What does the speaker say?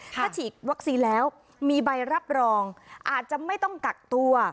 ถ้าฉีดวัคซีนแล้วมีใบรับรองอาจจะไม่ต้องกักตัว